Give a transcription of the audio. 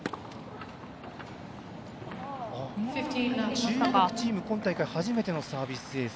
中国チーム、今大会初めてのサービスエース。